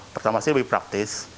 pertama sih lebih praktis